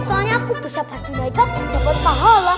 soalnya aku bersyabat juga dapat pahala